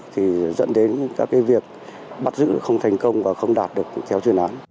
thì dẫn đến các việc bắt giữ không thành công và không đạt được